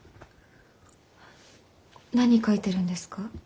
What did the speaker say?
何書いてるんですか？